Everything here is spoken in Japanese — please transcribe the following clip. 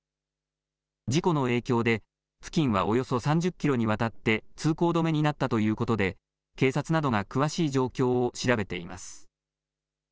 事故の影響で付近はおよそ３０キロにわたって通行止めになったということで警察などが詳しい状況を調べています。